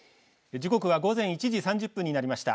時刻は午前１時３０分になりました。